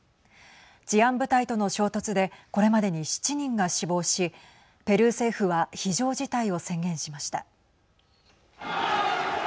治安部隊との衝突でこれまでに７人が死亡しペルー政府は非常事態を宣言しました。